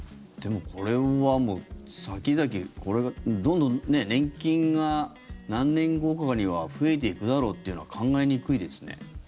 でもこれはもう先々どんどん年金が何年後かには増えていくだろうというのは考えにくいですね。